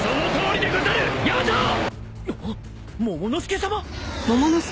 モモの助さま！